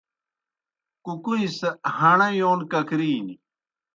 کُکُوئیں سہ ہݨہ یون ککرِینیْ۔